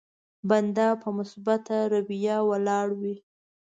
بنده په مثبته رويه ولاړ وي.